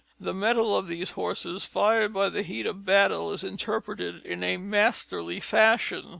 The mettle of these horses, fired by the heat of battle, is interpreted in a masterly fashion.